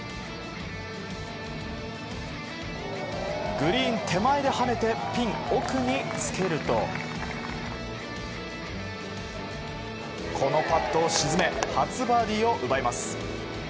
グリーン手前ではねてピン奥につけるとこのパットを沈め初バーディーを奪います。